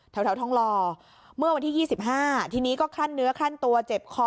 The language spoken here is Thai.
แถวทองหล่อเมื่อวันที่๒๕ทีนี้ก็คลั่นเนื้อคลั่นตัวเจ็บคอ